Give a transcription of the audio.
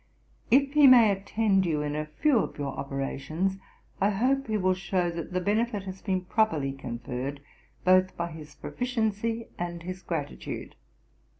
'If he may attend you in a few of your operations, I hope he will shew that the benefit has been properly conferred, both by his proficiency and his gratitude.